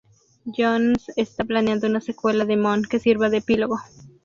Jones está planeando una secuela de Moon que sirva de epílogo.